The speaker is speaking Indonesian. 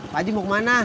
pakji mau kemana